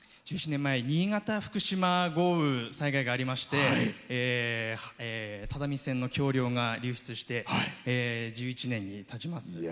１１年前に新潟・福島豪雨の災害がありまして只見線の橋りょうが流出して１１年たちます。